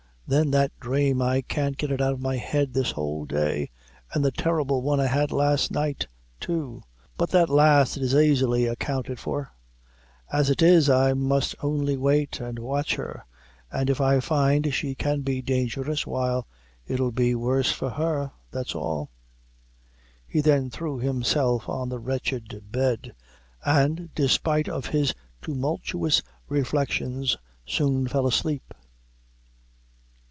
Then that dhrame I can't get it out o' my head this whole day and the terrible one I had last night, too! But that last is aisily 'counted for. As it is, I must only wait, and watch her; and if I find she can be dangerous, why it'll be worse for her that's all!" He then threw himself on the wretched bed, and, despite of his tumultuous reflections, soon fell asleep.